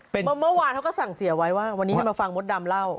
เพราะเมื่อวานเขาก็สั่งเสียไว้ว่าวันนี้ให้มาฟังมดดำเล่า